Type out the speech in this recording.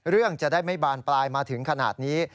เรื่องจะได้ไม่บานปลายมาถึงขนาดนี้